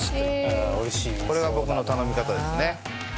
これが僕の頼み方ですね。